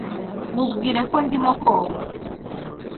Mubwire ko ndimo koga.